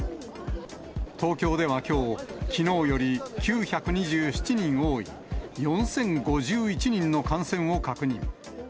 東京ではきょう、きのうより９２７人多い４０５１人の感染を確認。